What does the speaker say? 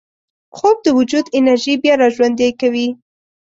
خوب د وجود انرژي بیا راژوندي کوي